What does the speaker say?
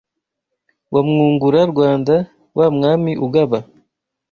Wa Mwungura-Rwanda wa Mwami ugaba